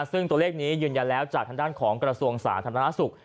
ซึ่งตัวเลขนี้ยืนยันแล้วจากทางด้านของกระทรวงสาธารณสุข